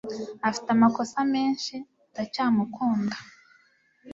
Afite amakosa menshi. Ndacyamukunda.